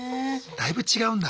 だいぶ違うんだ？